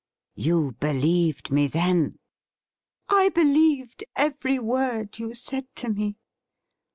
' You believed me then.' ' I believed every word you said to me.'